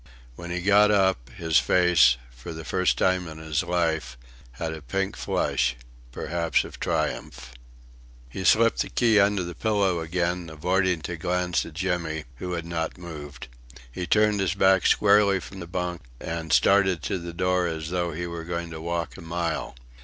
When he got up, his face for the first time in his life had a pink flush perhaps of triumph. He slipped the key under the pillow again, avoiding to glance at Jimmy, who had not moved. He turned his back squarely from the bunk, and started to the door as though he were going to walk a mile.